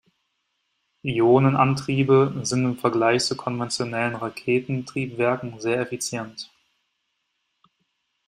Ionenantriebe sind im Vergleich zu konventionellen Raketentriebwerken sehr effizient.